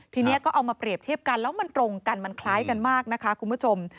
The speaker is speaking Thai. ทีนี้ก็เอามาเปรียบเทียบกันแล้วมันตรงกันมันคล้ายกันมากนะคะคุณผู้ชม